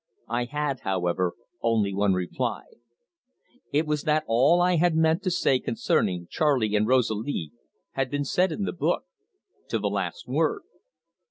I had, however, only one reply. It was that all I had meant to say concerning Charley and Rosalie had been said in the book, to the last word.